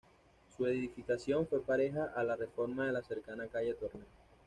Su edificación fue pareja a la reforma de la cercana calle Torneo.